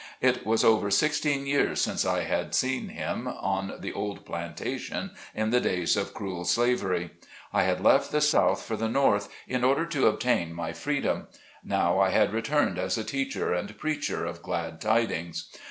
It was over sixteen years since I had seen him, on the old plantation in the days of cruel slavery. I had left the South for the North, in order to obtain my freedom ; now, I had returned as a teacher and preacher of glad tidings.